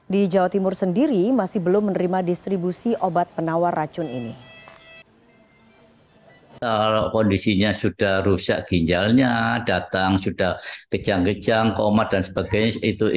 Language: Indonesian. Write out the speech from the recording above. di jawa timur sendiri masih belum menerima distribusi obat penawar racun ini